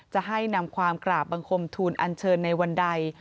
จะให้นำความกราบบังคมทูลอันเชิญในวันใด